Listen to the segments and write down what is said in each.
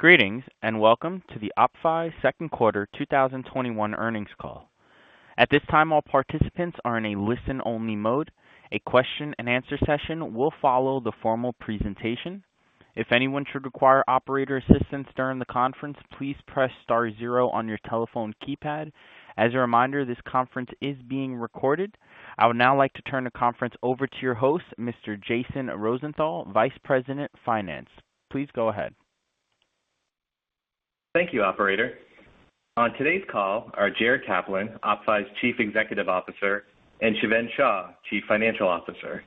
Greetings, welcome to the OppFi Q2 2021 Earnings Call. At this time, all participants are in a listen-only mode. A question and answer session will follow the formal presentation. If anyone should require operator assistance during the conference, please press star zero on your telephone keypad. As a reminder, this conference is being recorded. I would now like to turn the conference over to your host, Mr. Jason Rosenthal, Vice President of Finance. Please go ahead. Thank you, operator. On today's call are Jared Kaplan, OppFi's Chief Executive Officer, and Shiven Shah, Chief Financial Officer.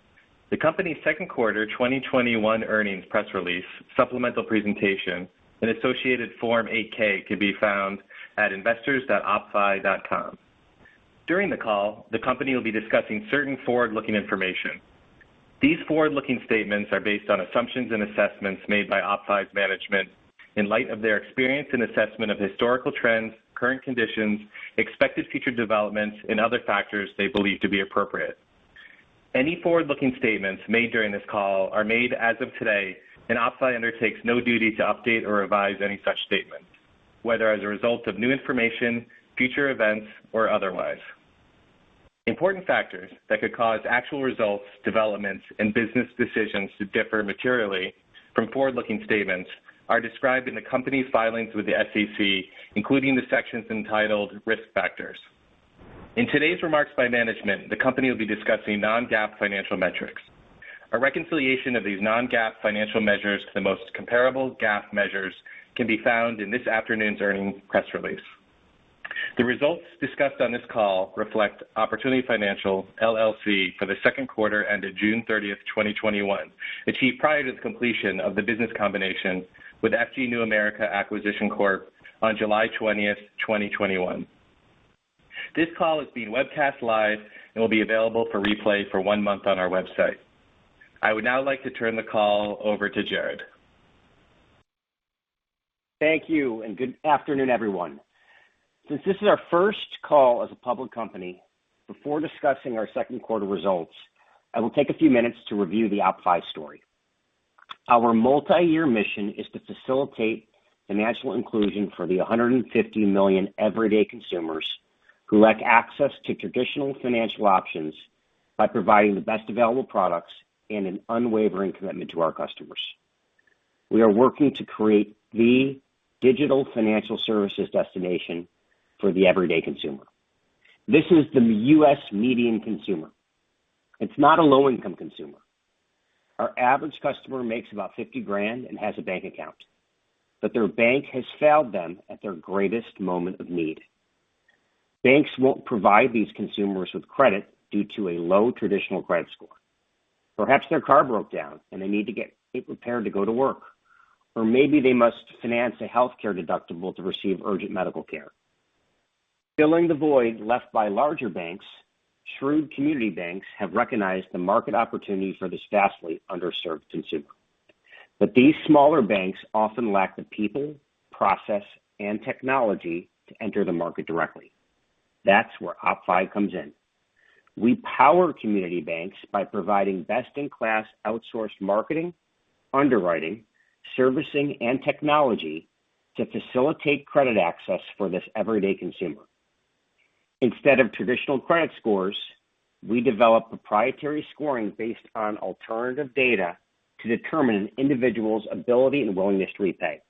The company's Q2 2021 earnings press release, supplemental presentation, and associated Form 8-K can be found at investors.oppfi.com. During the call, the company will be discussing certain forward-looking information. These forward-looking statements are based on assumptions and assessments made by OppFi's management in light of their experience and assessment of historical trends, current conditions, expected future developments, and other factors they believe to be appropriate. Any forward-looking statements made during this call are made as of today, and OppFi undertakes no duty to update or revise any such statement, whether as a result of new information, future events, or otherwise. Important factors that could cause actual results, developments, and business decisions to differ materially from forward-looking statements are described in the company's filings with the SEC, including the sections entitled Risk Factors. In today's remarks by management, the company will be discussing non-GAAP financial metrics. A reconciliation of these non-GAAP financial measures to the most comparable GAAP measures can be found in this afternoon's earnings press release. The results discussed on this call reflect Opportunity Financial LLC for the Q2 ended June 30th, 2021, achieved prior to the completion of the business combination with FG New America Acquisition Corp on July 20th, 2021. This call is being webcast live and will be available for replay for one month on our website. I would now like to turn the call over to Jared. Thank you, and good afternoon, everyone. Since this is our first call as a public company, before discussing our Q2 results, I will take a few minutes to review the OppFi story. Our multi-year mission is to facilitate financial inclusion for the 150 million everyday consumers who lack access to traditional financial options by providing the best available products and an unwavering commitment to our customers. We are working to create the digital financial services destination for the everyday consumer. This is the U.S. median consumer. It's not a low-income consumer. Our average customer makes about $50,000 and has a bank account. Their bank has failed them at their greatest moment of need. Banks won't provide these consumers with credit due to a low traditional credit score. Perhaps their car broke down and they need to get it repaired to go to work. Maybe they must finance a healthcare deductible to receive urgent medical care. Filling the void left by larger banks, shrewd community banks have recognized the market opportunity for this vastly underserved consumer. These smaller banks often lack the people, process, and technology to enter the market directly. That's where OppFi comes in. We power community banks by providing best-in-class outsourced marketing, underwriting, servicing, and technology to facilitate credit access for this everyday consumer. Instead of traditional credit scores, we develop proprietary scoring based on alternative data to determine an individual's ability and willingness to repay.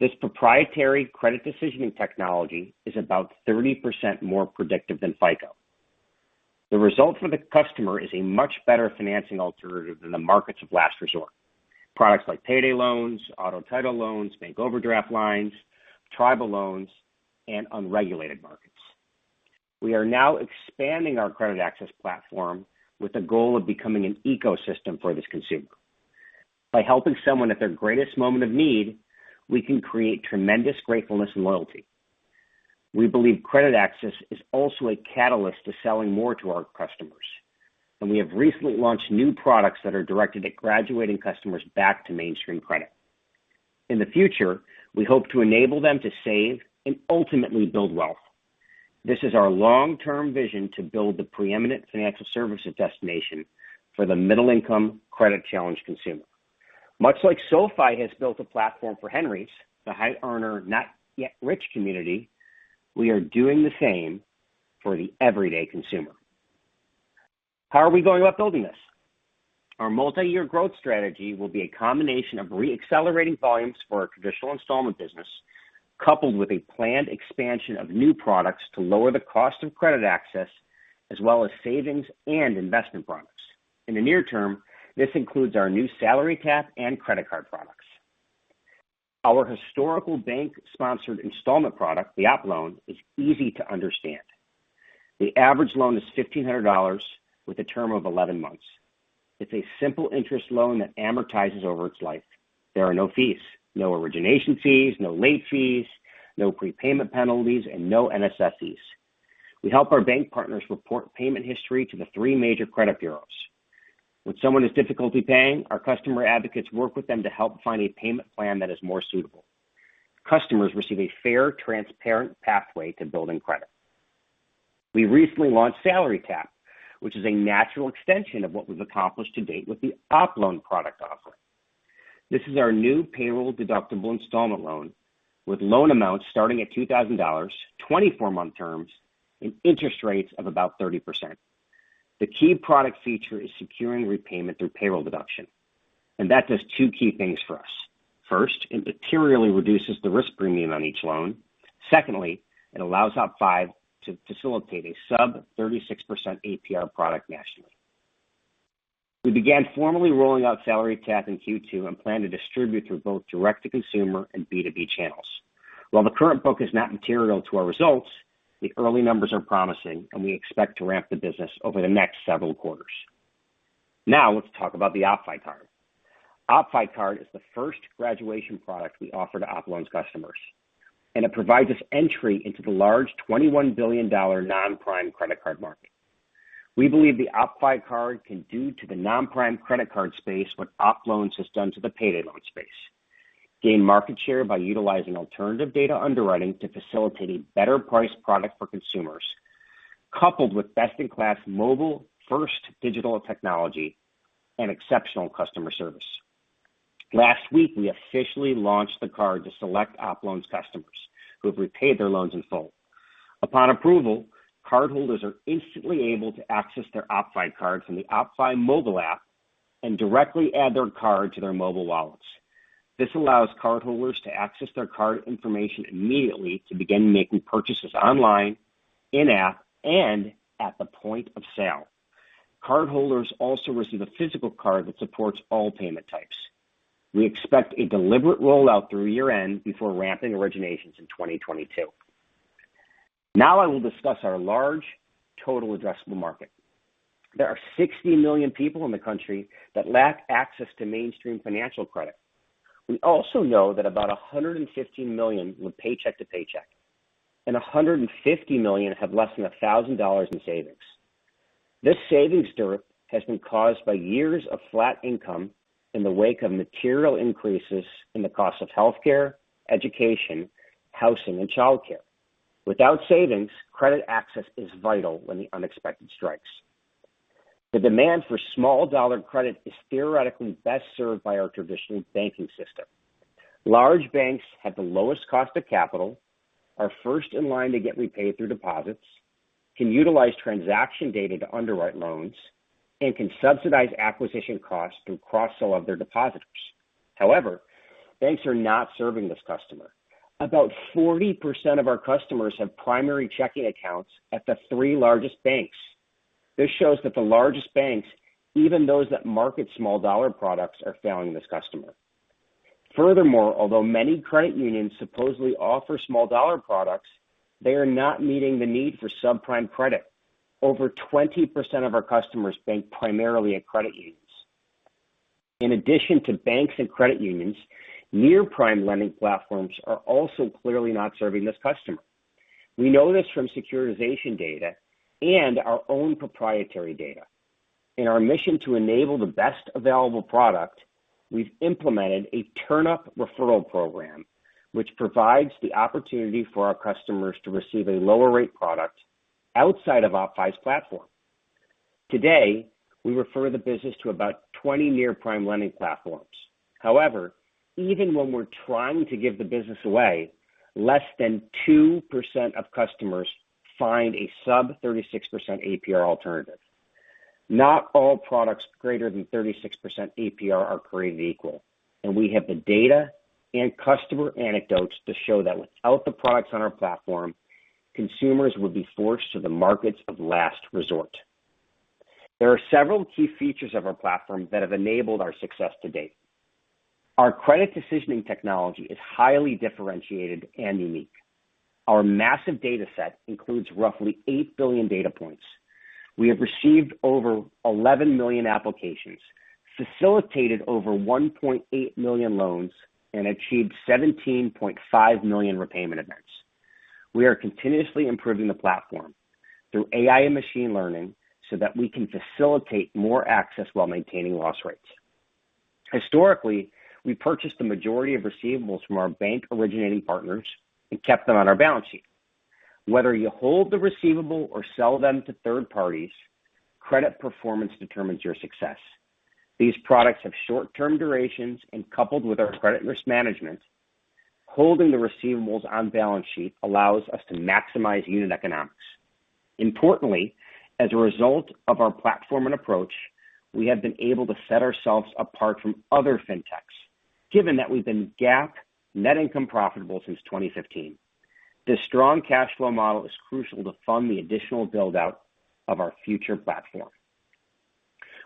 This proprietary credit decisioning technology is about 30% more predictive than FICO. The result for the customer is a much better financing alternative than the markets of last resort. Products like payday loans, auto title loans, bank overdraft lines, tribal loans, and unregulated markets. We are now expanding our credit access platform with the goal of becoming an ecosystem for this consumer. By helping someone at their greatest moment of need, we can create tremendous gratefulness and loyalty. We believe credit access is also a catalyst to selling more to our customers, and we have recently launched new products that are directed at graduating customers back to mainstream credit. In the future, we hope to enable them to save and ultimately build wealth. This is our long-term vision to build the preeminent financial services destination for the middle-income, credit-challenged consumer. Much like SoFi has built a platform for HENRYs, the High Earner Not Yet Rich community, we are doing the same for the everyday consumer. How are we going about building this? Our multi-year growth strategy will be a combination of re-accelerating volumes for our traditional installment business, coupled with a planned expansion of new products to lower the cost of credit access, as well as savings and investment products. In the near term, this includes our new SalaryTap and credit card products. Our historical bank-sponsored installment product, the OppLoan, is easy to understand. The average loan is $1,500 with a term of 11 months. It's a simple interest loan that amortizes over its life. There are no fees, no origination fees, no late fees, no prepayment penalties, and no NSF fees. We help our bank partners report payment history to the three major credit bureaus. When someone has difficulty paying, our customer advocates work with them to help find a payment plan that is more suitable. Customers receive a fair, transparent pathway to building credit. We recently launched SalaryTap, which is a natural extension of what we've accomplished to date with the OppLoan product offering. This is our new payroll-deductible installment loan with loan amounts starting at $2,000, 24-month terms, and interest rates of about 30%. The key product feature is securing repayment through payroll deduction. That does two key things for us. First, it materially reduces the risk premium on each loan. Secondly, it allows OppFi to facilitate a sub 36% APR product nationally. We began formally rolling out SalaryTap in Q2. We plan to distribute through both direct-to-consumer and B2B channels. While the current book is not material to our results, the early numbers are promising. We expect to ramp the business over the next several quarters. Now let's talk about the OppFi Card. OppFi Card is the first graduation product we offer to OppLoans customers, and it provides us entry into the large $21 billion non-prime credit card market. We believe the OppFi Card can do to the non-prime credit card space what OppLoans has done to the payday loan space. Gain market share by utilizing alternative data underwriting to facilitate a better-priced product for consumers, coupled with best-in-class mobile-first digital technology and exceptional customer service. Last week, we officially launched the Card to select OppLoans customers who have repaid their loans in full. Upon approval, cardholders are instantly able to access their OppFi Cards from the OppFi mobile app and directly add their Card to their mobile wallets. This allows cardholders to access their Card information immediately to begin making purchases online, in-app, and at the point of sale. Cardholders also receive a physical Card that supports all payment types. We expect a deliberate rollout through year-end before ramping originations in 2022. Now I will discuss our large total addressable market. There are 60 million people in the country that lack access to mainstream financial credit. We also know that about 115 million live paycheck to paycheck, and 150 million have less than $1,000 in savings. This savings dearth has been caused by years of flat income in the wake of material increases in the cost of healthcare, education, housing, and childcare. Without savings, credit access is vital when the unexpected strikes. The demand for small-dollar credit is theoretically best served by our traditional banking system. Large banks have the lowest cost of capital, are first in line to get repaid through deposits, can utilize transaction data to underwrite loans, and can subsidize acquisition costs through cross-sell of their depositors. However, banks are not serving this customer. About 40% of our customers have primary checking accounts at the three largest banks. This shows that the largest banks, even those that market small-dollar products, are failing this customer. Furthermore, although many credit unions supposedly offer small-dollar products, they are not meeting the need for subprime credit. Over 20% of our customers bank primarily at credit unions. In addition to banks and credit unions, near-prime lending platforms are also clearly not serving this customer. We know this from securitization data and our own proprietary data. In our mission to enable the best available product, we've implemented a TurnUp referral program which provides the opportunity for our customers to receive a lower-rate product outside of OppFi's platform. Today, we refer the business to about 20 near-prime lending platforms. However, even when we're trying to give the business away, less than 2% of customers find a sub 36% APR alternative. Not all products greater than 36% APR are created equal, and we have the data and customer anecdotes to show that without the products on our platform, consumers would be forced to the markets of last resort. There are several key features of our platform that have enabled our success to date. Our credit decisioning technology is highly differentiated and unique. Our massive data set includes roughly eight billion data points. We have received over 11 million applications, facilitated over 1.8 million loans, and achieved 17.5 million repayment events. We are continuously improving the platform through AI and machine learning so that we can facilitate more access while maintaining loss rates. Historically, we purchased the majority of receivables from our bank-originating partners and kept them on our balance sheet. Whether you hold the receivable or sell them to third parties, credit performance determines your success. These products have short-term durations, and coupled with our credit risk management, holding the receivables on balance sheet allows us to maximize unit economics. Importantly, as a result of our platform and approach, we have been able to set ourselves apart from other fintechs, given that we've been GAAP net income profitable since 2015. This strong cash flow model is crucial to fund the additional build-out of our future platform.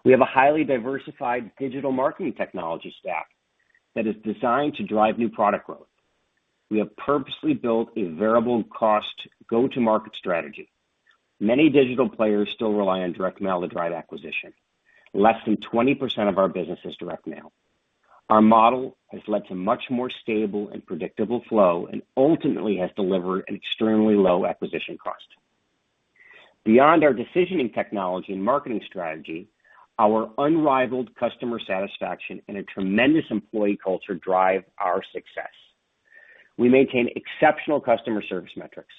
We have a highly diversified digital marketing technology stack that is designed to drive new product growth. We have purposely built a variable cost go-to-market strategy. Many digital players still rely on direct mail to drive acquisition. Less than 20% of our business is direct mail. Our model has led to much more stable and predictable flow and ultimately has delivered an extremely low acquisition cost. Beyond our decisioning technology and marketing strategy, our unrivaled customer satisfaction and a tremendous employee culture drive our success. We maintain exceptional customer service metrics.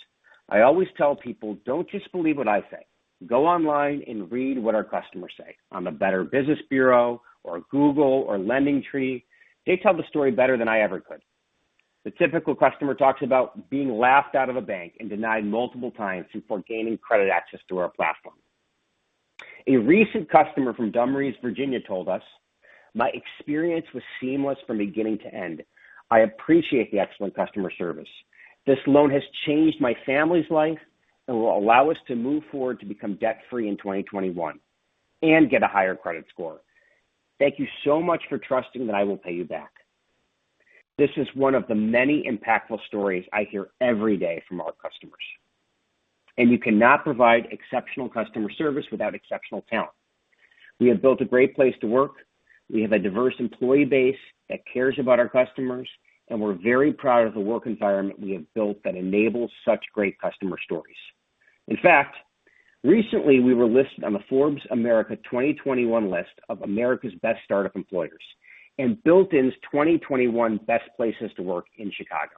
I always tell people, "Don't just believe what I say. Go online and read what our customers say on the Better Business Bureau or Google or LendingTree. They tell the story better than I ever could." The typical customer talks about being laughed out of a bank and denied multiple times before gaining credit access to our platform. A recent customer from Dumfries, Virginia, told us, "My experience was seamless from beginning to end. I appreciate the excellent customer service. This loan has changed my family's life and will allow us to move forward to become debt-free in 2021, and get a higher credit score. Thank you so much for trusting that I will pay you back." This is one of the many impactful stories I hear every day from our customers. You cannot provide exceptional customer service without exceptional talent. We have built a great place to work. We have a diverse employee base that cares about our customers, and we're very proud of the work environment we have built that enables such great customer stories. In fact, recently, we were listed on the Forbes America 2021 list of America's Best Startup Employers, and Built In's 2021 Best Places to Work in Chicago.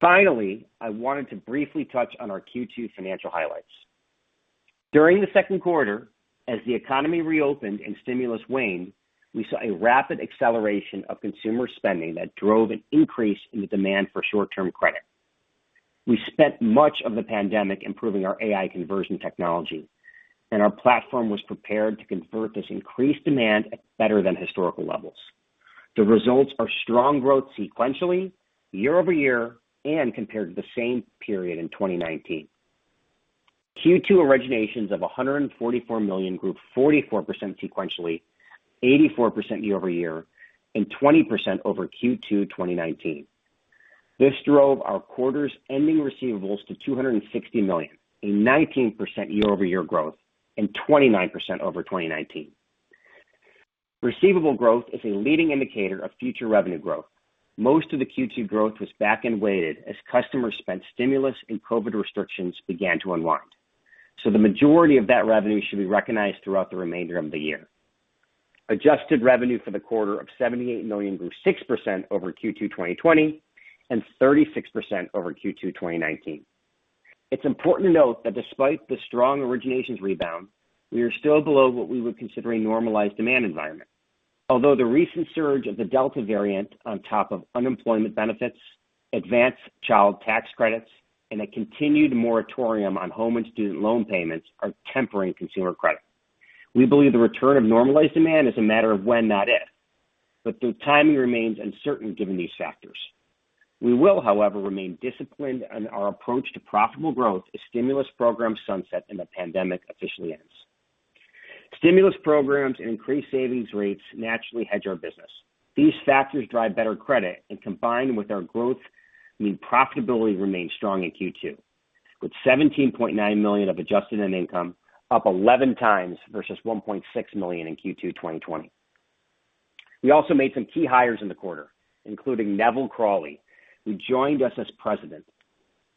Finally, I wanted to briefly touch on our Q2 financial highlights. During the Q2, as the economy reopened and stimulus waned, we saw a rapid acceleration of consumer spending that drove an increase in the demand for short-term credit. We spent much of the pandemic improving our AI conversion technology, and our platform was prepared to convert this increased demand at better than historical levels. The results are strong growth sequentially, YoY, and compared to the same period in 2019. Q2 originations of $144 million grew 44% sequentially, 84% YoY, and 20% over Q2 2019. This drove our quarter's ending receivables to $260 million, a 19% YoY growth and 29% over 2019. Receivable growth is a leading indicator of future revenue growth. Most of the Q2 growth was back-weighted as customers spent stimulus and COVID-19 restrictions began to unwind. The majority of that revenue should be recognized throughout the remainder of the year. Adjusted revenue for the quarter of $78 million grew 6% over Q2 2020 and 36% over Q2 2019. It's important to note that despite the strong originations rebound, we are still below what we would consider a normalized demand environment. The recent surge of the Delta variant on top of unemployment benefits, advanced Child Tax Credits, and a continued moratorium on home and student loan payments are tempering consumer credit. We believe the return of normalized demand is a matter of when, not if. The timing remains uncertain given these factors. We will, however, remain disciplined in our approach to profitable growth as stimulus programs sunset and the pandemic officially ends. Stimulus programs and increased savings rates naturally hedge our business. These factors drive better credit, and combined with our growth mean profitability remained strong in Q2, with $17.9 million of adjusted net income up 11x versus $1.6 million in Q2 2020. We also made some key hires in the quarter, including Neville Crawley, who joined us as President.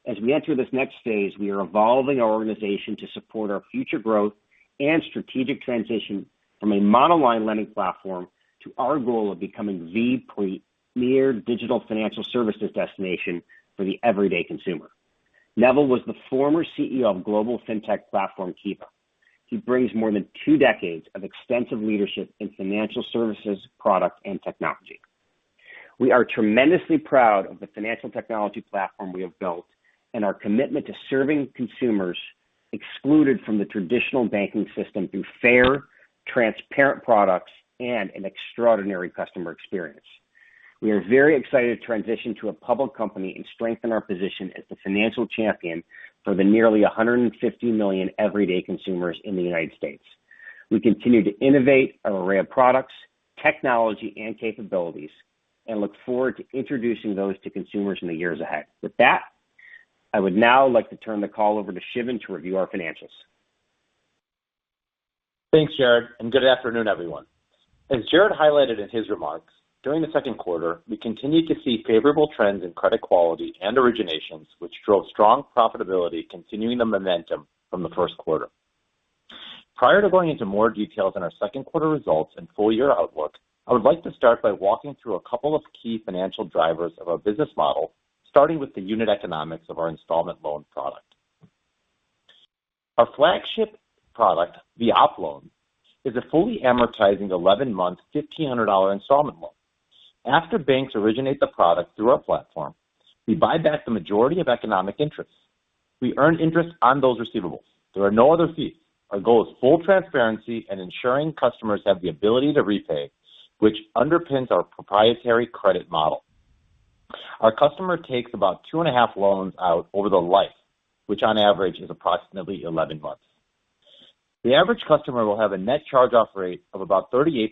As we enter this next phase, we are evolving our organization to support our future growth and strategic transition from a monoline lending platform to our goal of becoming the premier digital financial services destination for the everyday consumer. Neville was the former CEO of global fintech platform, Kiva. He brings more than two decades of extensive leadership in financial services, product, and technology. We are tremendously proud of the financial technology platform we have built and our commitment to serving consumers excluded from the traditional banking system through fair, transparent products, and an extraordinary customer experience. We are very excited to transition to a public company and strengthen our position as the financial champion for the nearly 150 million everyday consumers in the U.S.. We continue to innovate our array of products, technology, and capabilities, and look forward to introducing those to consumers in the years ahead. With that, I would now like to turn the call over to Shiven to review our financials. Thanks, Jared, and good afternoon, everyone. As Jared highlighted in his remarks, during the Q2, we continued to see favorable trends in credit quality and originations, which drove strong profitability, continuing the momentum from the Q1. Prior to going into more details on our Q2 results and full-year outlook, I would like to start by walking through a couple of key financial drivers of our business model, starting with the unit economics of our installment loan product. Our flagship product, the OppLoan, is a fully amortizing 11-month, $1,500 installment loan. After banks originate the product through our platform, we buy back the majority of economic interest. We earn interest on those receivables. There are no other fees. Our goal is full transparency and ensuring customers have the ability to repay, which underpins our proprietary credit model. Our customer takes about two and a half loans out over the life, which on average is approximately 11 months. The average customer will have a net charge-off rate of about 38%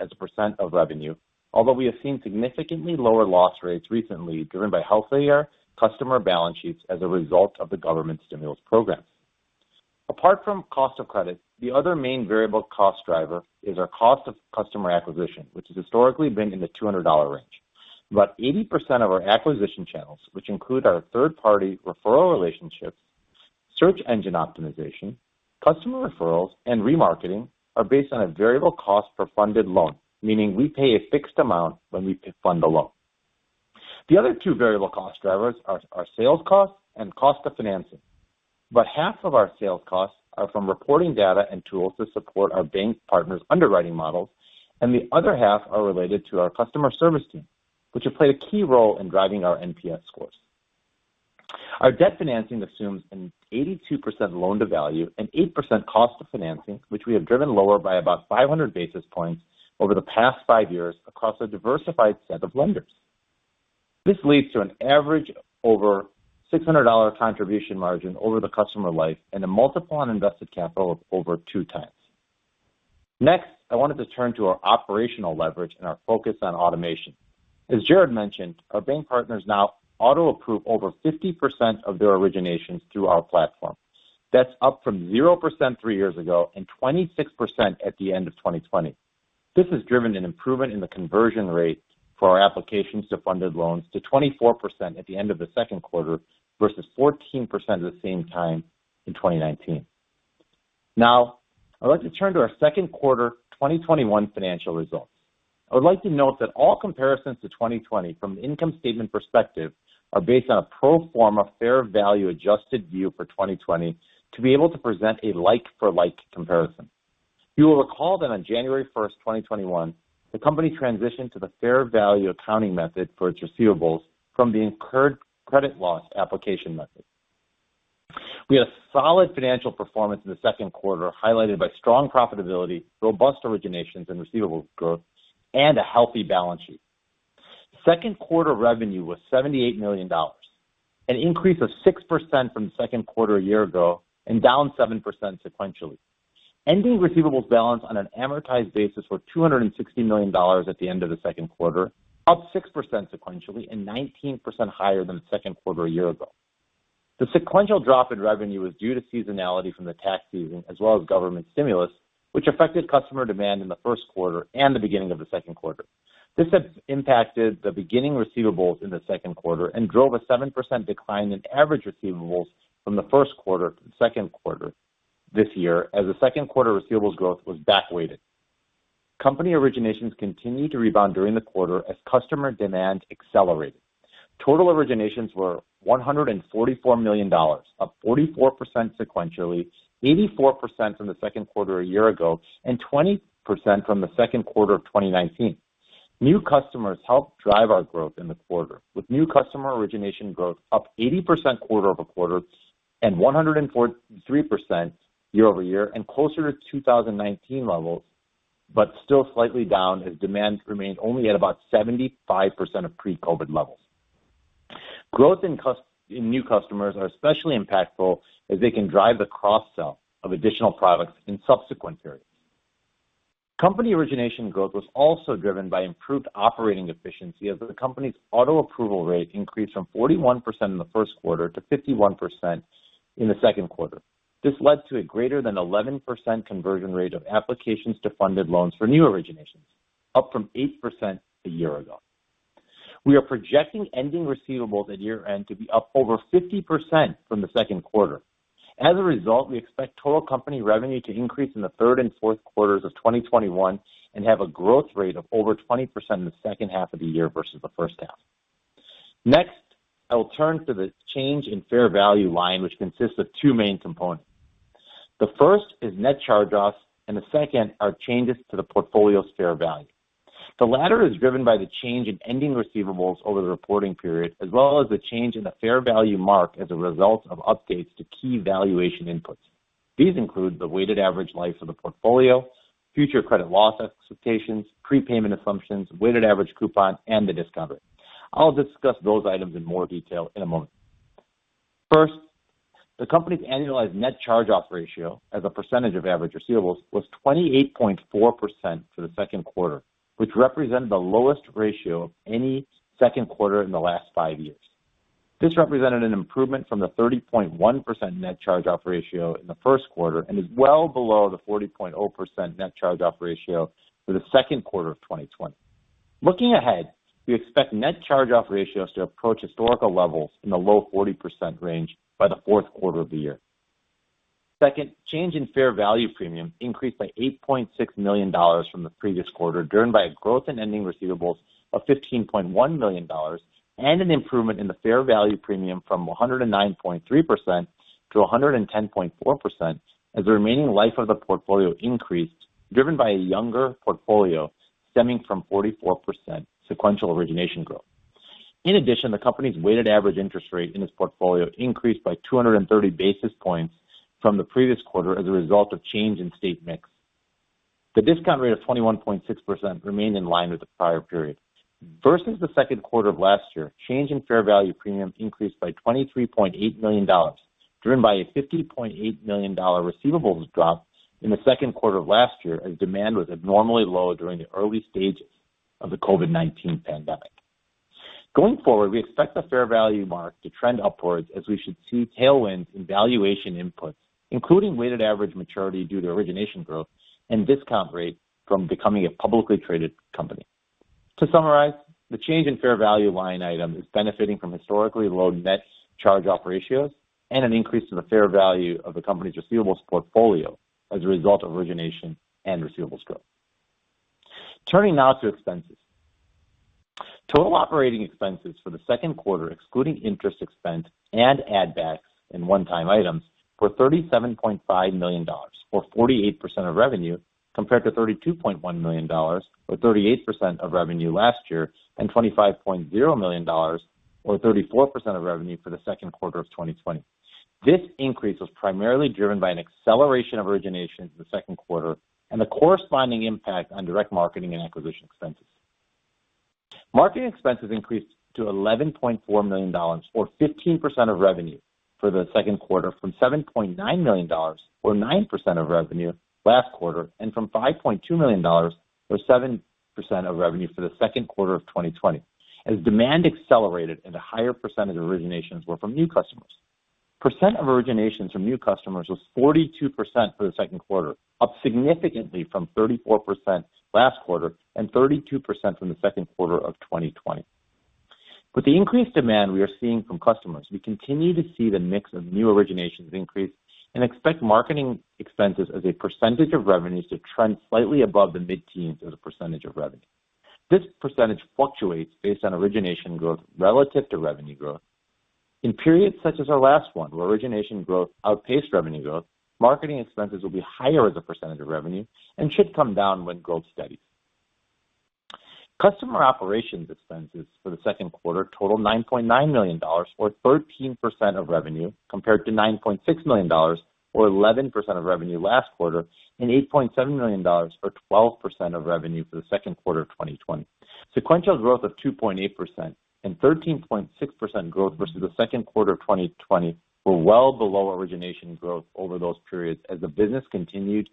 as a percent of revenue, although we have seen significantly lower loss rates recently, driven by healthier customer balance sheets as a result of the government stimulus program. Apart from cost of credit, the other main variable cost driver is our cost of customer acquisition, which has historically been in the $200 range. About 80% of our acquisition channels, which include our third-party referral relationships, search engine optimization, customer referrals, and remarketing are based on a variable cost per funded loan, meaning we pay a fixed amount when we fund a loan. The other two variable cost drivers are sales costs and cost of financing. About half of our sales costs are from reporting data and tools to support our bank partners' underwriting models, and the other half are related to our customer service team, which have played a key role in driving our NPS scores. Our debt financing assumes an 82% loan-to-value and 8% cost of financing, which we have driven lower by about 500 basis points over the past five years across a diversified set of lenders. This leads to an average over $600 contribution margin over the customer life and a multiple on invested capital of over 2x. Next, I wanted to turn to our operational leverage and our focus on automation. As Jared mentioned, our bank partners now auto-approve over 50% of their originations through our platform. That's up from 0% three years ago and 26% at the end of 2020. This has driven an improvement in the conversion rate for our applications to funded loans to 24% at the end of the Q2 versus 14% at the same time in 2019. Now, I'd like to turn to our Q2 2021 financial results. I would like to note that all comparisons to 2020 from the income statement perspective are based on a pro forma fair value adjusted view for 2020 to be able to present a like-for-like comparison. You will recall that on January 1st, 2021, the company transitioned to the fair value accounting method for its receivables from the incurred credit loss application method. We had a solid financial performance in the Q2, highlighted by strong profitability, robust originations and receivables growth, and a healthy balance sheet. Q2 revenue was $78 million, an increase of 6% from the Q2 a year ago and down 7% sequentially. Ending receivables balance on an amortized basis were $260 million at the end of the Q2, up 6% sequentially and 19% higher than the Q2 a year ago. The sequential drop in revenue was due to seasonality from the tax season as well as government stimulus, which affected customer demand in the Q1 and the beginning of the Q2. This has impacted the beginning receivables in the Q2 and drove a 7% decline in average receivables from the Q1 to the Q2 this year as the Q2 receivables growth was back-weighted. Company originations continued to rebound during the quarter as customer demand accelerated. Total originations were $144 million, up 44% sequentially, 84% from the Q2 a year ago, and 20% from the Q2 of 2019. New customers helped drive our growth in the quarter, with new customer origination growth up 80% QoQ and 103% YoY and closer to 2019 levels, but still slightly down as demand remained only at about 75% of pre-COVID levels. Growth in new customers are especially impactful as they can drive the cross-sell of additional products in subsequent periods. Company origination growth was also driven by improved operating efficiency as the company's auto-approval rate increased from 41% in the Q1 to 51% in the Q2. This led to a greater than 11% conversion rate of applications to funded loans for new originations, up from 8% a year ago. We are projecting ending receivables at year-end to be up over 50% from the Q2. As a result, we expect total company revenue to increase in the Q3 and Q4 of 2021 and have a growth rate of over 20% in the H2 of the year versus the H1. Next, I will turn to the change in fair value line, which consists of two main components. The first is net charge-offs, and the second are changes to the portfolio's fair value. The latter is driven by the change in ending receivables over the reporting period as well as the change in the fair value mark as a result of updates to key valuation inputs. These include the weighted average life of the portfolio, future credit loss expectations, prepayment assumptions, weighted average coupon, and the discount rate. I'll discuss those items in more detail in a moment. First, the company's annualized net charge-off ratio as a percentage of average receivables was 28.4% for the Q2, which represented the lowest ratio of any Q2 in the last five years. This represented an improvement from the 30.1% net charge-off ratio in the Q1 and is well below the 40.0% net charge-off ratio for the Q2 of 2020. Looking ahead, we expect net charge-off ratios to approach historical levels in the low 40% range by the Q4 of the year. Second, change in fair value premium increased by $8.6 million from the previous quarter, driven by a growth in ending receivables of $15.1 million and an improvement in the fair value premium from 109.3%-110.4% as the remaining life of the portfolio increased, driven by a younger portfolio stemming from 44% sequential origination growth. In addition, the company's weighted average interest rate in its portfolio increased by 230 basis points from the previous quarter as a result of change in state mix. The discount rate of 21.6% remained in line with the prior period. Versus the Q2 of last year, change in fair value premium increased by $23.8 million, driven by a $50.8 million receivables drop in the Q2 of last year as demand was abnormally low during the early stages of the COVID-19 pandemic. Going forward, we expect the fair value mark to trend upwards as we should see tailwinds in valuation inputs, including weighted average maturity due to origination growth and discount rate from becoming a publicly traded company. To summarize, the change in fair value line item is benefiting from historically low net charge-off ratios and an increase in the fair value of the company's receivables portfolio as a result of origination and receivables growth. Turning now to expenses. Total operating expenses for the Q2, excluding interest expense and add backs and one-time items, were $37.5 million, or 48% of revenue, compared to $32.1 million or 38% of revenue last year and $25.0 million or 34% of revenue for the Q2 of 2020. This increase was primarily driven by an acceleration of originations in the Q2 and the corresponding impact on direct marketing and acquisition expenses. Marketing expenses increased to $11.4 million, or 15% of revenue for the Q2, from $7.9 million or 9% of revenue last quarter and from $5.2 million or 7% of revenue for the Q2 of 2020. As demand accelerated and a higher percentage of originations were from new customers. Percent of originations from new customers was 42% for the Q2, up significantly from 34% last quarter and 32% from the Q2 of 2020. With the increased demand we are seeing from customers, we continue to see the mix of new originations increase and expect marketing expenses as a percentage of revenues to trend slightly above the mid-teens as a percentage of revenue. This percentage fluctuates based on origination growth relative to revenue growth. In periods such as our last one, where origination growth outpaced revenue growth, marketing expenses will be higher as a percentage of revenue and should come down when growth steadies. Customer operations expenses for the Q2 totaled $9.9 million, or 13% of revenue, compared to $9.6 million or 11% of revenue last quarter and $8.7 million or 12% of revenue for the Q2 of 2020. Sequential growth of 2.8% and 13.6% growth versus the Q2 of 2020 were well below origination growth over those periods as the business continued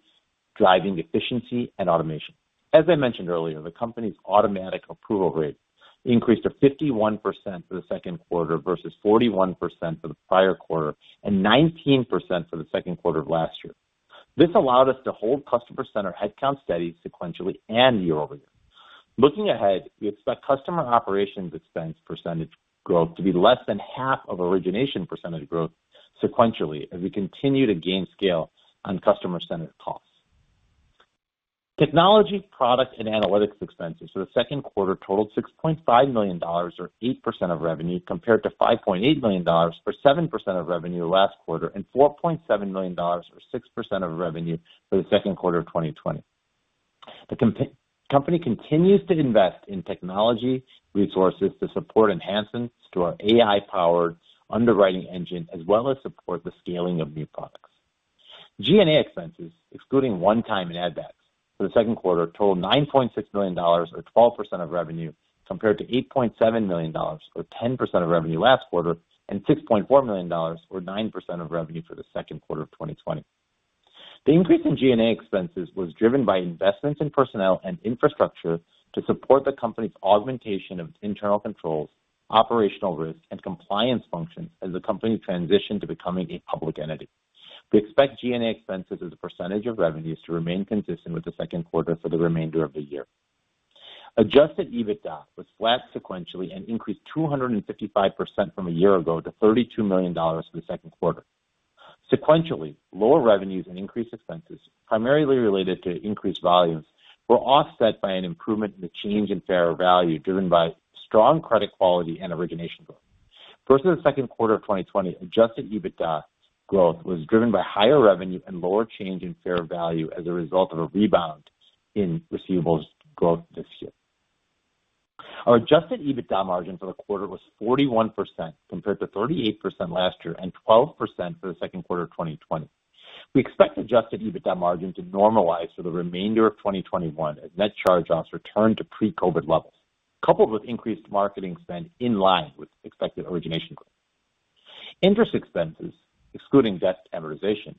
driving efficiency and automation. As I mentioned earlier, the company's automatic approval rate increased to 51% for the Q2 versus 41% for the prior quarter and 19% for the Q2 of last year. This allowed us to hold customer center headcount steady sequentially and YoY. Looking ahead, we expect customer operations expense percentage growth to be less than half of origination percentage growth sequentially as we continue to gain scale on customer center costs. Technology, product, and analytics expenses for the Q2 totaled $6.5 million, or 8% of revenue, compared to $5.8 million or 7% of revenue last quarter and $4.7 million or 6% of revenue for the Q2 of 2020. The company continues to invest in technology resources to support enhancements to our AI-powered underwriting engine, as well as support the scaling of new products. G&A expenses excluding one time and add backs for the Q2 totaled $9.6 million or 12% of revenue compared to $8.7 million or 10% of revenue last quarter and $6.4 million or 9% of revenue for the Q2 of 2020. The increase in G&A expenses was driven by investments in personnel and infrastructure to support the company's augmentation of internal controls, operational risk, and compliance functions as the company transitioned to becoming a public entity. We expect G&A expenses as a percentage of revenues to remain consistent with the Q2 for the remainder of the year. Adjusted EBITDA was flat sequentially and increased 255% from a year ago to $32 million for the Q2. Sequentially, lower revenues and increased expenses, primarily related to increased volumes, were offset by an improvement in the change in fair value, driven by strong credit quality and origination growth. Versus the Q2 of 2020, adjusted EBITDA growth was driven by higher revenue and lower change in fair value as a result of a rebound in receivables growth this year. Our adjusted EBITDA margin for the quarter was 41% compared to 38% last year and 12% for the Q2 of 2020. We expect adjusted EBITDA margin to normalize for the remainder of 2021 as net charge-offs return to pre-COVID levels, coupled with increased marketing spend in line with expected origination growth. Interest expenses excluding debt amortization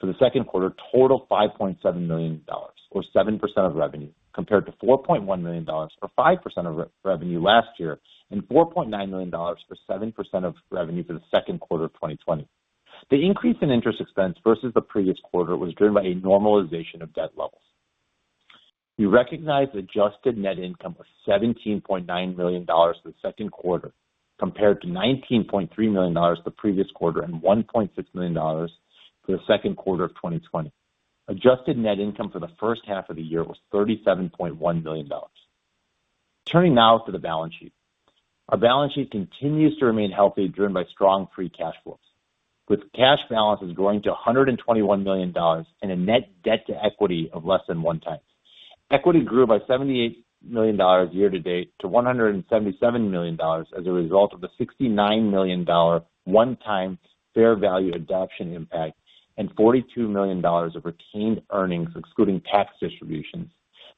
for the Q2 totaled $5.7 million, or 7% of revenue, compared to $4.1 million or 5% of revenue last year and $4.9 million or 7% of revenue for the Q2 of 2020. The increase in interest expense versus the previous quarter was driven by a normalization of debt levels. We recognized adjusted net income of $17.9 million for the Q2 compared to $19.3 million the previous quarter and $1.6 million for the Q2 of 2020. Adjusted net income for the H1 of the year was $37.1 million. Turning now to the balance sheet. Our balance sheet continues to remain healthy, driven by strong free cash flows, with cash balances growing to $121 million and a net debt to equity of less than one time. Equity grew by $78 million year-to-date to $177 million as a result of the $69 million one-time fair value adoption impact and $42 million of retained earnings excluding tax distributions,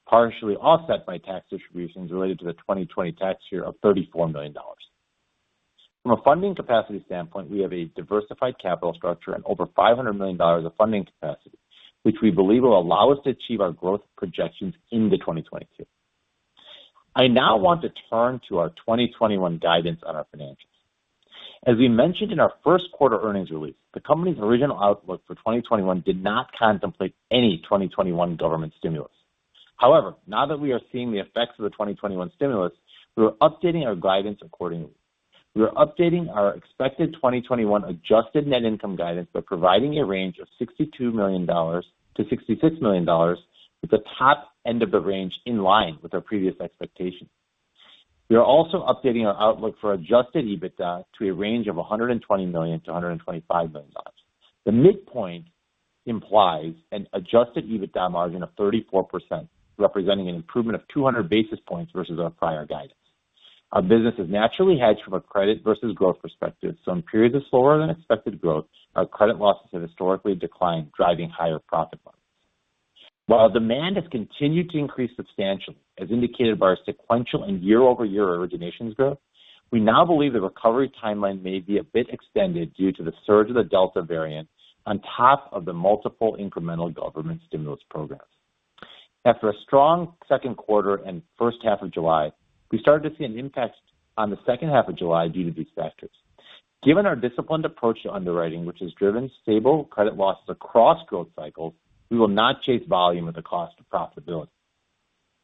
partially offset by tax distributions related to the 2020 tax year of $34 million. From a funding capacity standpoint, we have a diversified capital structure and over $500 million of funding capacity, which we believe will allow us to achieve our growth projections into 2022. I now want to turn to our 2021 guidance on our financials. As we mentioned in our Q1 earnings release, the company's original outlook for 2021 did not contemplate any 2021 government stimulus. Now that we are seeing the effects of the 2021 stimulus, we are updating our guidance accordingly. We are updating our expected 2021 adjusted net income guidance by providing a range of $62 million-$66 million, with the top end of the range in line with our previous expectations. We are also updating our outlook for adjusted EBITDA to a range of $120 million-$125 million. The midpoint implies an adjusted EBITDA margin of 34%, representing an improvement of 200 basis points versus our prior guidance. Our business is naturally hedged from a credit versus growth perspective, so in periods of slower than expected growth, our credit losses have historically declined, driving higher profit margins. While demand has continued to increase substantially, as indicated by our sequential and YoY originations growth, we now believe the recovery timeline may be a bit extended due to the surge of the Delta variant on top of the multiple incremental government stimulus programs. After a strong Q2 and H1 of July, we started to see an impact on the H2 of July due to these factors. Given our disciplined approach to underwriting, which has driven stable credit losses across growth cycles, we will not chase volume at the cost of profitability.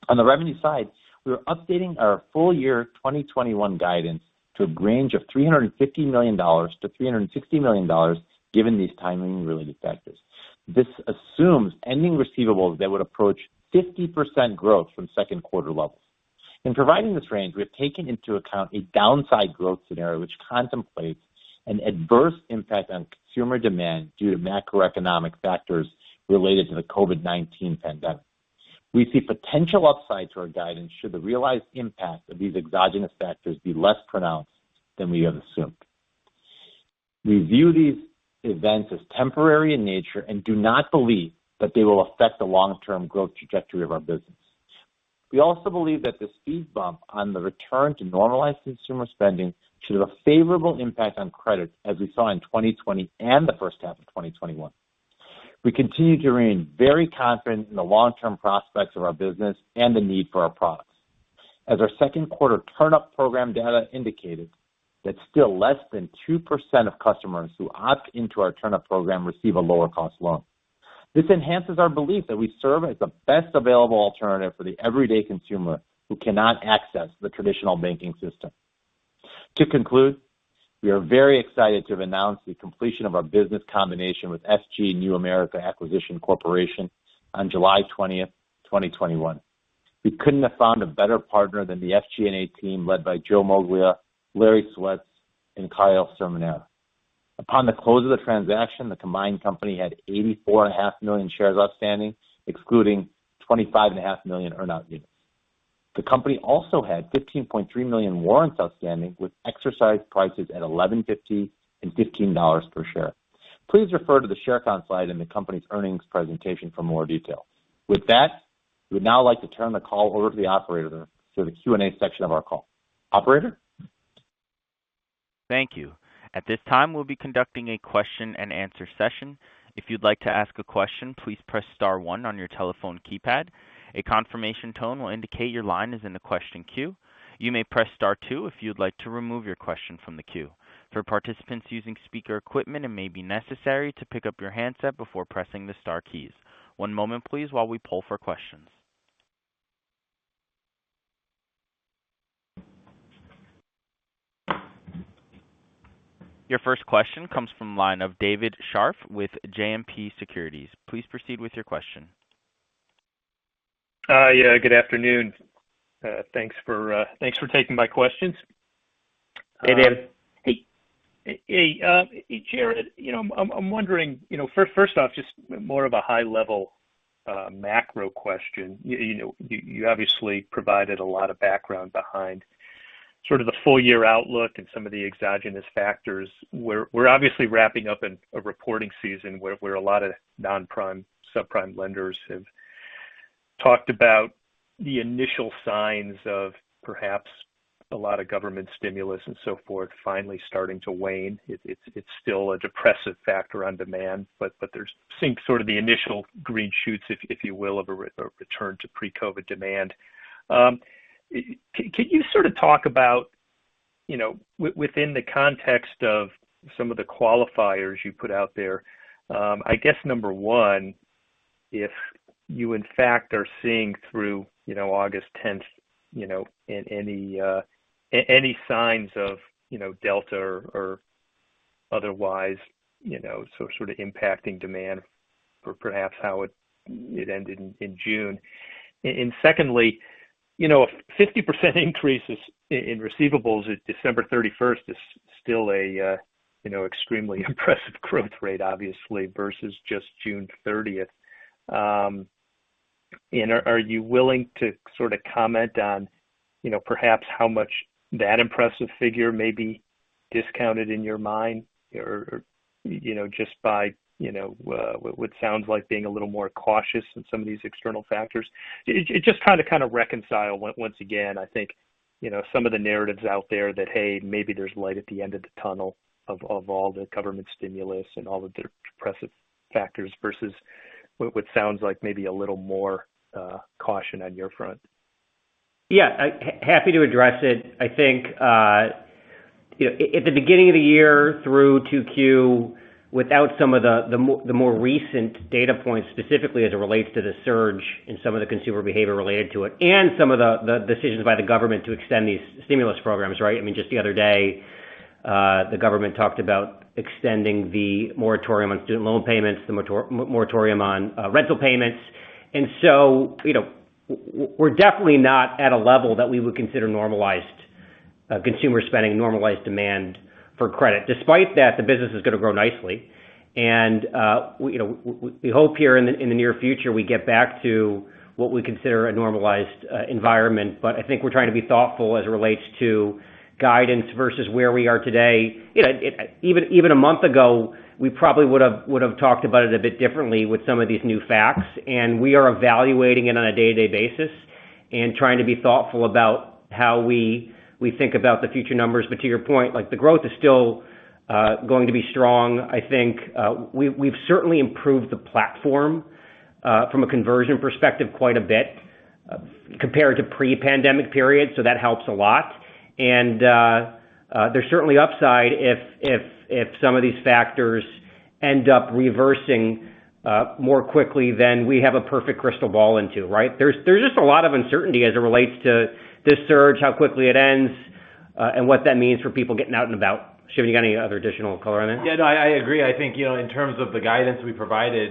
On the revenue side, we are updating our full year 2021 guidance to a range of $350 million-$360 million, given these timing-related factors. This assumes ending receivables that would approach 50% growth from Q2 levels. In providing this range, we have taken into account a downside growth scenario which contemplates an adverse impact on consumer demand due to macroeconomic factors related to the COVID-19 pandemic. We see potential upside to our guidance should the realized impact of these exogenous factors be less pronounced than we have assumed. We view these events as temporary in nature and do not believe that they will affect the long-term growth trajectory of our business. We also believe that the speed bump on the return to normalized consumer spending should have a favorable impact on credit, as we saw in 2020 and the H1 of 2021. We continue to remain very confident in the long-term prospects of our business and the need for our products. As our Q2 TurnUp program data indicated that still less than 2% of customers who opt into our TurnUp program receive a lower cost loan. This enhances our belief that we serve as the best available alternative for the everyday consumer who cannot access the traditional banking system. To conclude, we are very excited to have announced the completion of our business combination with FG New America Acquisition Corp. on July 20th, 2021. We couldn't have found a better partner than the FG New America team led by Joe Moglia, Larry Swets, and Kyle Cerminara. Upon the close of the transaction, the combined company had 84.5 million shares outstanding, excluding 25.5 million earnout units. The company also had 15.3 million warrants outstanding, with exercise prices at $11.50 and $15 per share. Please refer to the share count slide in the company's earnings presentation for more detail. With that, we would now like to turn the call over to the operator for the Q&A section of our call. Operator? Thank you. At this time, we will be conducting a question and answer session. If you would like to ask a question, please press star one on your telephone keypad. A confirmation tone will indicate your line is in the question queue. You may press star two if you would like to remove your question from the queue. For participants using speaker equipment, it may be necessary to pick up your handset before pressing the star keys. One moment please while we poll for questions. Your first question comes from the line of David Scharf with JMP Securities. Please proceed with your question. Yeah. Good afternoon. Thanks for taking my questions. Hey, David. Hey, Jared. I'm wondering, first off, just more of a high-level macro question. You obviously provided a lot of background behind sort of the full-year outlook and some of the exogenous factors. We're obviously wrapping up a reporting season where a lot of non-prime, subprime lenders have talked about the initial signs of perhaps a lot of government stimulus and so forth finally starting to wane. It's still a depressive factor on demand, but there seems sort of the initial green shoots, if you will, of a return to pre-COVID demand. Can you sort of talk about within the context of some of the qualifiers you put out there, I guess number one, if you in fact are seeing through August 10th any signs of Delta or otherwise sort of impacting demand, or perhaps how it ended in June? Secondly, a 50% increase in receivables at December 31st is still a extremely impressive growth rate, obviously, versus just June 30th. Are you willing to sort of comment on perhaps how much that impressive figure may be discounted in your mind just by what sounds like being a little more cautious in some of these external factors, just how to kind of reconcile once again, I think some of the narratives out there that, hey, maybe there's light at the end of the tunnel of all the government stimulus and all of the depressive factors versus what sounds like maybe a little more caution on your front? Yeah. Happy to address it. I think, at the beginning of the year through 2Q, without some of the more recent data points, specifically as it relates to the surge and some of the consumer behavior related to it, and some of the decisions by the government to extend these stimulus programs, right? Just the other day, the government talked about extending the moratorium on student loan payments, the moratorium on rental payments. We're definitely not at a level that we would consider normalized consumer spending, normalized demand for credit. Despite that, the business is going to grow nicely. We hope here in the near future we get back to what we consider a normalized environment. I think we're trying to be thoughtful as it relates to guidance versus where we are today. Even a month ago, we probably would've talked about it a bit differently with some of these new facts, and we are evaluating it on a day-to-day basis and trying to be thoughtful about how we think about the future numbers. To your point, the growth is still going to be strong, I think. We've certainly improved the platform from a conversion perspective quite a bit compared to pre-pandemic periods, so that helps a lot. There's certainly upside if some of these factors end up reversing more quickly than we have a perfect crystal ball into, right. There's just a lot of uncertainty as it relates to this surge, how quickly it ends, and what that means for people getting out and about. Shiv, you got any other additional color on that? Yeah, no, I agree. I think, in terms of the guidance we provided,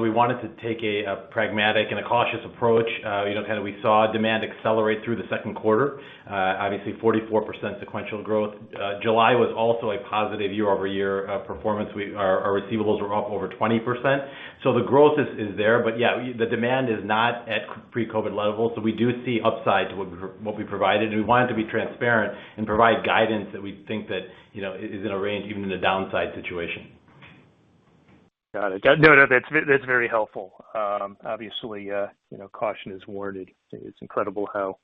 we wanted to take a pragmatic and a cautious approach. We saw demand accelerate through the Q2. Obviously, 44% sequential growth. July was also a positive YoY performance. Our receivables were up over 20%. The growth is there, but yeah, the demand is not at pre-COVID-19 levels. We do see upside to what we provided, and we wanted to be transparent and provide guidance that we think that is in a range, even in a downside situation. Got it. No, that's very helpful. Obviously, caution is warranted. It's incredible how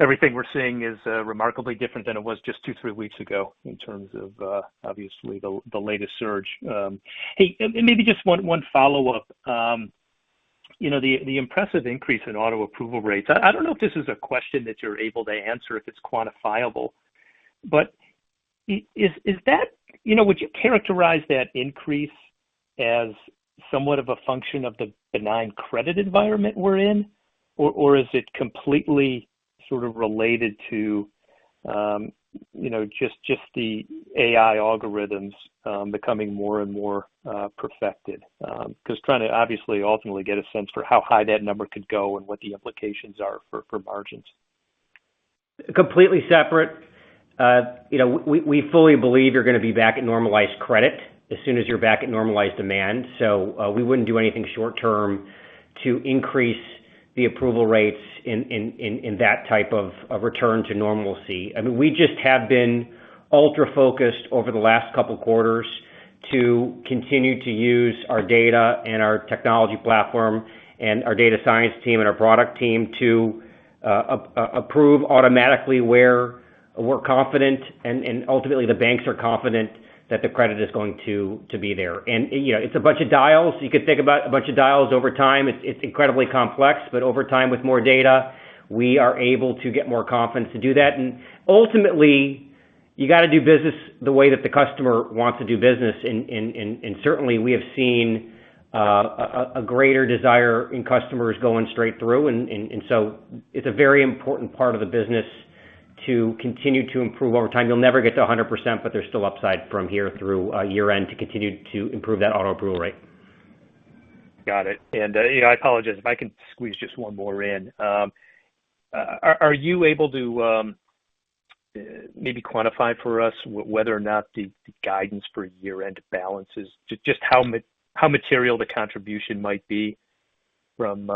everything we're seeing is remarkably different than it was just two, three weeks ago in terms of, obviously, the latest surge. Maybe just one follow-up. The impressive increase in auto approval rates. I don't know if this is a question that you're able to answer, if it's quantifiable. Would you characterize that increase as somewhat of a function of the benign credit environment we're in, or is it completely related to just the AI algorithms becoming more and more perfected? Trying to obviously ultimately get a sense for how high that number could go and what the implications are for margins. Completely separate. We fully believe you're going to be back at normalized credit as soon as you're back at normalized demand. We wouldn't do anything short-term to increase the approval rates in that type of return to normalcy. We just have been ultra-focused over the last couple quarters to continue to use our data and our technology platform and our data science team and our product team to approve automatically where we're confident, and ultimately the banks are confident that the credit is going to be there. It's a bunch of dials. You could think about a bunch of dials over time. It's incredibly complex, over time, with more data, we are able to get more confidence to do that. Ultimately, you got to do business the way that the customer wants to do business. Certainly, we have seen a greater desire in customers going straight through. It's a very important part of the business to continue to improve over time. You'll never get to 100%, but there's still upside from here through year-end to continue to improve that auto approval rate. Got it. I apologize, if I can squeeze just one more in. Are you able to maybe quantify for us whether or not the guidance for year-end balance is just how material the contribution might be from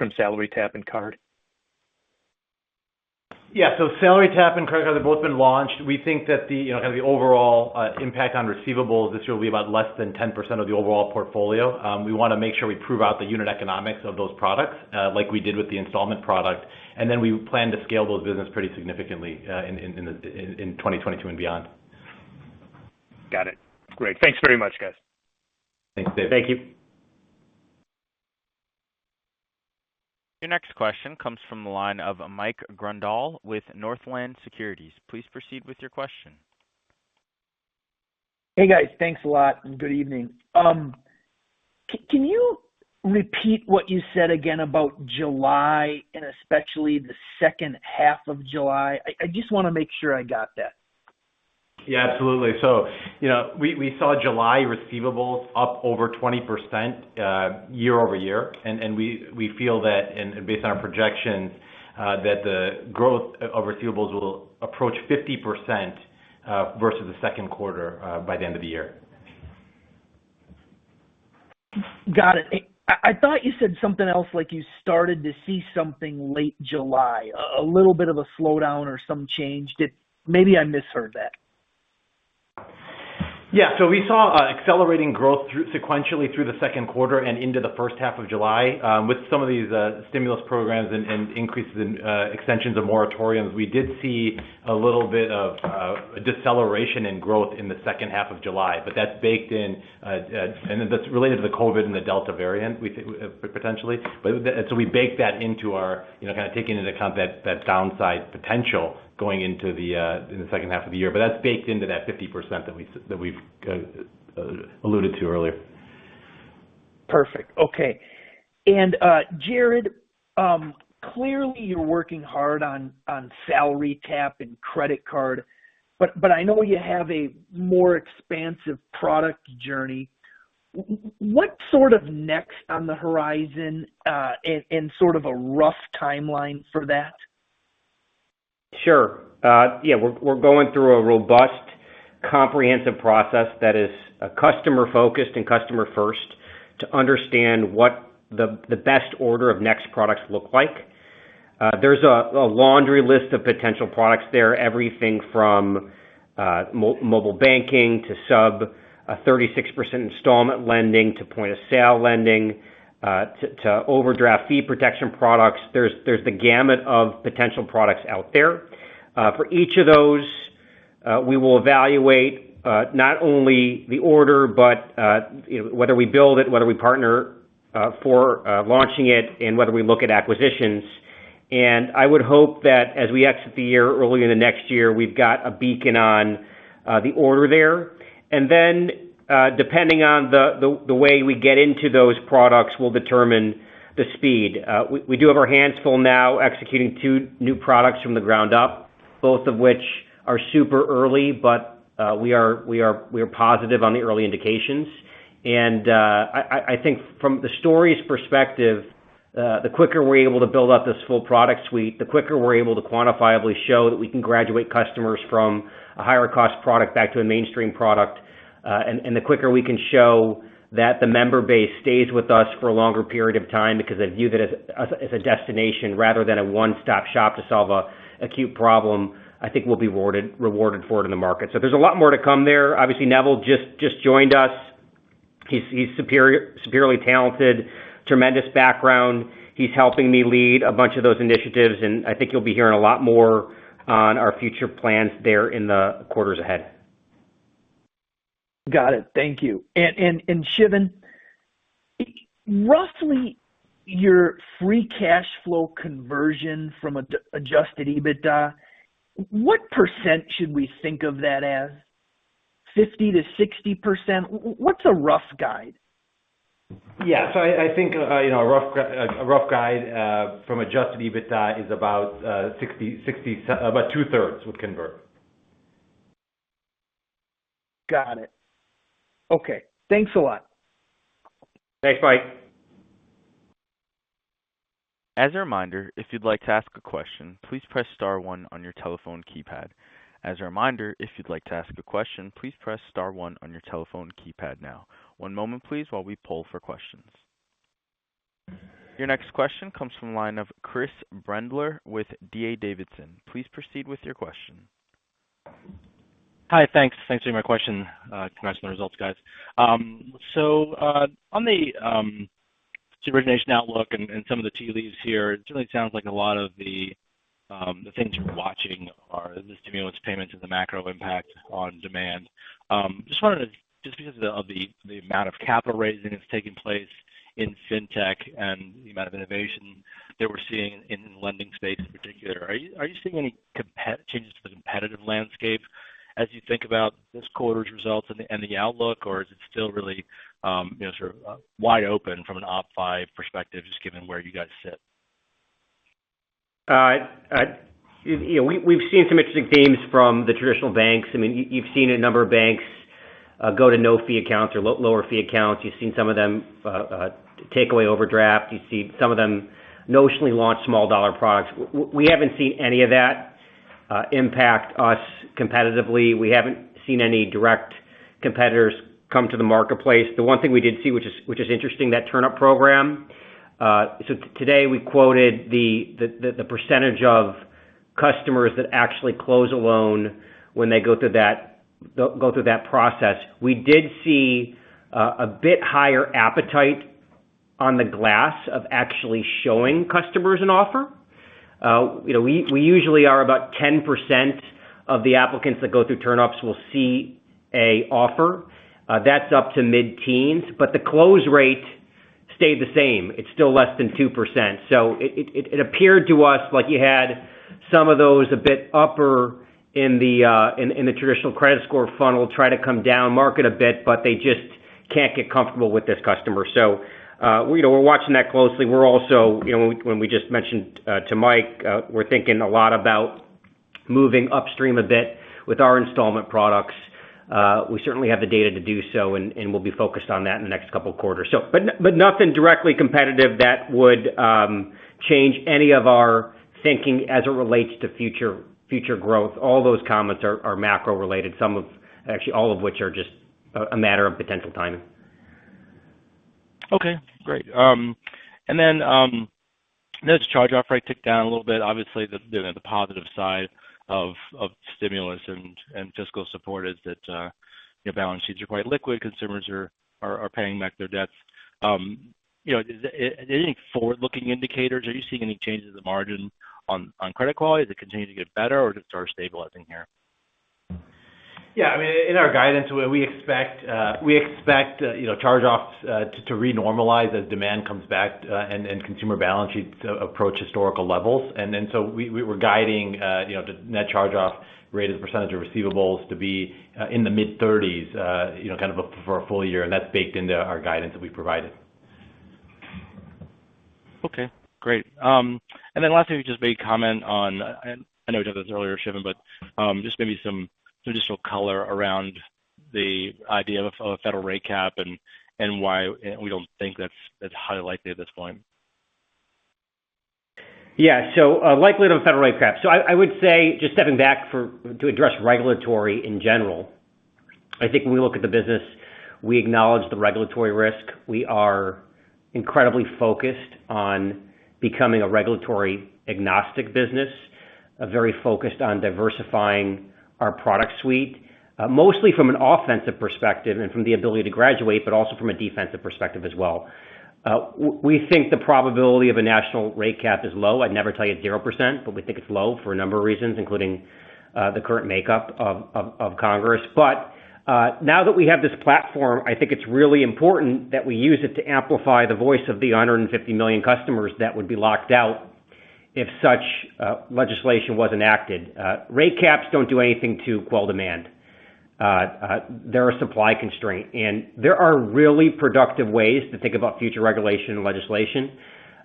SalaryTap and Card? Yeah. SalaryTap and Card have both been launched. We think that the overall impact on receivables this year will be about less than 10% of the overall portfolio. We want to make sure we prove out the unit economics of those products, like we did with the installment product. We plan to scale those business pretty significantly in 2022 and beyond. Got it. Great. Thanks very much, guys. Thanks, Dave. Thank you. Your next question comes from the line of Mike Grondahl with Northland Securities. Please proceed with your question. Hey, guys. Thanks a lot, and good evening. Can you repeat what you said again about July, and especially the H2 of July? I just want to make sure I got that. Yeah, absolutely. We saw July receivables up over 20% YoY. We feel that, based on our projections, that the growth of receivables will approach 50% versus the Q2 by the end of the year. Got it. I thought you said something else, like you started to see something late July, a little bit of a slowdown or some change. Maybe I misheard that. Yeah. We saw accelerating growth sequentially through the Q2 and into the H1 of July. With some of these stimulus programs and increases in extensions of moratoriums, we did see a little bit of a deceleration in growth in the H2 of July. That's baked in, and that's related to the COVID and the Delta variant potentially. We baked that into our, kind of taking into account that downside potential going into the H2 of the year. That's baked into that 50% that we've alluded to earlier. Perfect. Okay. Jared, clearly you're working hard on SalaryTap and OppFi Card, but I know you have a more expansive product journey. What's next on the horizon and a rough timeline for that? Sure. Yeah, we're going through a robust, comprehensive process that is customer-focused and customer-first to understand what the best order of next products look like. There's a laundry list of potential products there. Everything from mobile banking to sub 36% installment lending to point-of-sale lending to overdraft fee protection products. There's the gamut of potential products out there. For each of those, we will evaluate not only the order, but whether we build it, whether we partner for launching it, and whether we look at acquisitions. I would hope that as we exit the year early in the next year, we've got a beacon on the order there. Then, depending on the way we get into those products will determine the speed. We do have our hands full now executing two new products from the ground up, both of which are super early, but we are positive on the early indications. I think from the stories perspective the quicker we're able to build out this full product suite, the quicker we're able to quantifiably show that we can graduate customers from a higher cost product back to a mainstream product. The quicker we can show that the member base stays with us for a longer period of time because they view that as a destination rather than a one-stop shop to solve a acute problem, I think we'll be rewarded for it in the market. There's a lot more to come there. Obviously, Neville just joined us. He's severely talented, tremendous background. He's helping me lead a bunch of those initiatives, and I think you'll be hearing a lot more on our future plans there in the quarters ahead. Got it. Thank you. Shiven, roughly your free cash flow conversion from adjusted EBITDA, what percent should we think of that as? 50%-60%? What's a rough guide? Yeah. I think a rough guide from adjusted EBITDA is about 60%, about two-thirds would convert. Got it. Okay. Thanks a lot. Thanks, Mike. As a reminder, if you'd like to ask a question, please press star one on your telephone keypad. As a reminder, if you'd like to ask a question, please press star one on your telephone keypad now. One moment please while we poll for questions. Your next question comes from the line of Chris Brendler with D.A. Davidson. Please proceed with your question. Hi, thanks. Thanks for taking my question. Congrats on the results, guys. On the supervision outlook and some of the tea leaves here, it certainly sounds like a lot of the things you're watching are the stimulus payments and the macro impact on demand. Just because of the amount of capital raising that's taking place in fintech and the amount of innovation that we're seeing in the lending space in particular, are you seeing any changes to the competitive landscape as you think about this quarter's results and the outlook, or is it still really sort of wide open from an OppFi perspective, just given where you guys sit? We've seen some interesting themes from the traditional banks. You've seen a number of banks go to no-fee accounts or lower-fee accounts. You've seen some of them take away overdraft. You see some of them notionally launch small dollar products. We haven't seen any of that impact us competitively. We haven't seen any direct competitors come to the marketplace. The one thing we did see, which is interesting, that TurnUp program. Today we quoted the percentage of customers that actually close a loan when they go through that process. We did see a bit higher appetite on the glass of actually showing customers an offer. We usually are about 10% of the applicants that go through TurnUp will see an offer. That's up to mid-teens. The close rate stayed the same. It's still less than 2%. It appeared to us like you had some of those a bit upper in the traditional credit score funnel try to come down market a bit, but they just can't get comfortable with this customer. We're watching that closely. We're also when we just mentioned to Mike we're thinking a lot about moving upstream a bit with our installment products. We certainly have the data to do so, and we'll be focused on that in the next couple of quarters. Nothing directly competitive that would change any of our thinking as it relates to future growth. All those comments are macro related. Actually all of which are just a matter of potential timing. Okay, great. Net charge-off rate ticked down a little bit. Obviously, the positive side of stimulus and fiscal support is that balance sheets are quite liquid. Consumers are paying back their debts. Any forward-looking indicators? Are you seeing any changes in the margin on credit quality? Is it continuing to get better or just sort of stabilizing here? Yeah. In our guidance, we expect charge-offs to re-normalize as demand comes back, and consumer balance sheets approach historical levels. We're guiding the net charge-off rate as a percentage of receivables to be in the mid-30s for a full year, and that's baked into our guidance that we provided. Okay, great. Lastly, if you just may comment on, I know you did this earlier, Shiven, but just maybe some additional color around the idea of a federal rate cap and why we don't think that's highly likely at this point. Yeah. Likelihood of a federal rate cap. I would say, just stepping back to address regulatory in general, I think when we look at the business, we acknowledge the regulatory risk. We are incredibly focused on becoming a regulatory agnostic business, very focused on diversifying our product suite. Mostly from an offensive perspective and from the ability to graduate, but also from a defensive perspective as well. We think the probability of a national rate cap is low. I'd never tell you 0%, but we think it's low for a number of reasons, including the current makeup of Congress. Now that we have this platform, I think it's really important that we use it to amplify the voice of the 150 million customers that would be locked out if such legislation was enacted. Rate caps don't do anything to quell demand. They're a supply constraint, and there are really productive ways to think about future regulation and legislation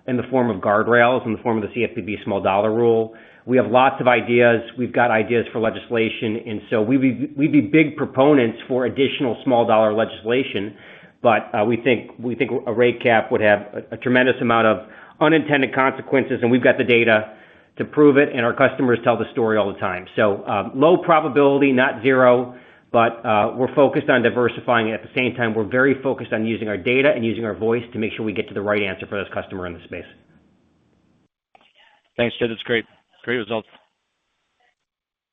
in the form of guardrails, in the form of the CFPB small dollar rule. We have lots of ideas. We've got ideas for legislation, and so we'd be big proponents for additional small dollar legislation. We think a rate cap would have a tremendous amount of unintended consequences, and we've got the data to prove it, and our customers tell the story all the time. Low probability, not zero, but we're focused on diversifying. At the same time, we're very focused on using our data and using our voice to make sure we get to the right answer for those customers in the space. Thanks, Jared. That's great. Great results.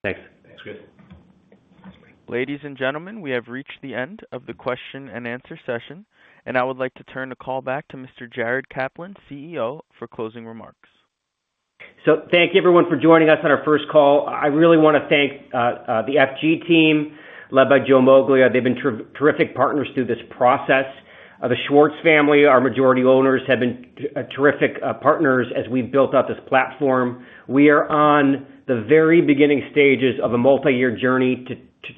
Thanks. That's good. Ladies and gentlemen, we have reached the end of the question and answer session, and I would like to turn the call back to Mr. Jared Kaplan, CEO, for closing remarks. Thank you everyone for joining us on our first call. I really want to thank the FG team led by Joe Moglia. They've been terrific partners through this process. The Schwartz family, our majority owners, have been terrific partners as we've built out this platform. We are on the very beginning stages of a multi-year journey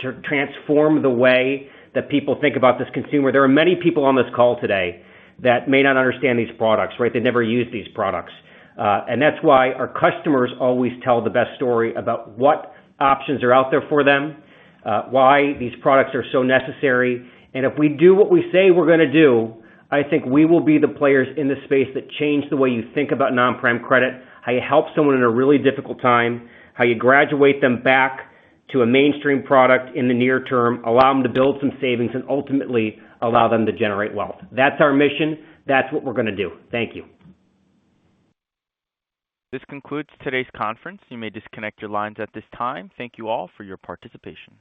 to transform the way that people think about this consumer. There are many people on this call today that may not understand these products, right? They've never used these products. That's why our customers always tell the best story about what options are out there for them, why these products are so necessary. If we do what we say we're going to do, I think we will be the players in this space that change the way you think about non-prime credit, how you help someone in a really difficult time, how you graduate them back to a mainstream product in the near term, allow them to build some savings, and ultimately allow them to generate wealth. That's our mission. That's what we're going to do. Thank you. This concludes today's conference. You may disconnect your lines at this time. Thank you all for your participation.